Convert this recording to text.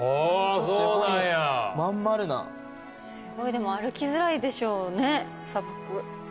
でも歩きづらいでしょうね砂漠。